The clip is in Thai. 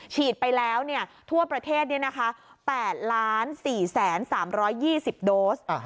ฉีดไปแล้วทั่วประเทศ๘๔๓๒๐โดส